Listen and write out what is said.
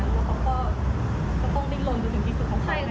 แล้วก็ขอบังที่ทำให้กับผู้สาวดูด้วยค่ะ